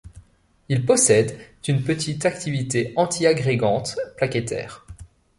Ils possèdent une petite activité antiagrégante plaquettaire.